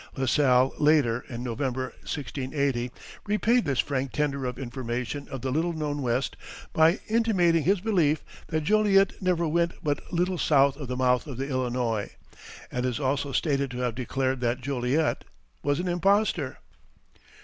La Salle later, in November, 1680, repaid this frank tender of information of the little known west by intimating his belief that Joliet never went but little south of the mouth of the Illinois, and is also stated to have declared that Joliet was an impostor.